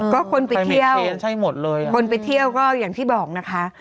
ก็คนไปเที่ยวหมดเลยคนไปเที่ยวก็อย่างที่บอกนะคะ